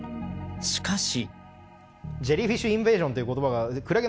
しかし。